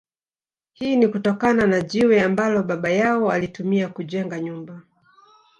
Hii ni kutokana na jiwe ambalo baba yao alitumia kujenga nyumba